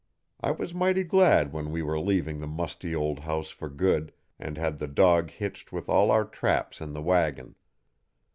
I was mighty glad when we were leaving the musty old house for good and had the dog hitched with all our traps in the wagon.